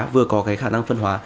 vừa có cái khả năng phân hóa